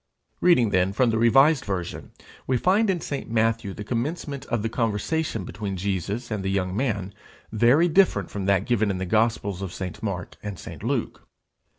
Reading then from the revised version, we find in St. Matthew the commencement of the conversation between Jesus and the young man very different from that given in the Gospels of St. Mark and St. Luke.